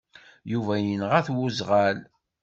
Yuba yenɣa-t uẓɣal.